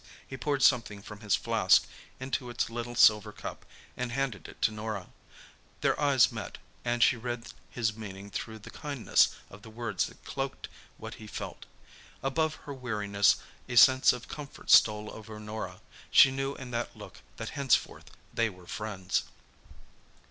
He poured something from his flask into its little silver cup and handed it to Norah. Their eyes met, and she read his meaning through the kindness of the words that cloaked what he felt. Above her weariness a sense of comfort stole over Norah. She knew in that look that henceforth they were friends.